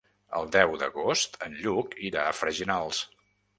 El deu d'agost en Lluc irà a Freginals.